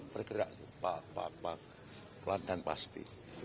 pergerak pak pak pak pelantan pasti